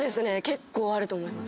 結構あると思います。